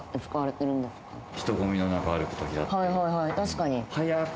はいはいはい確かに。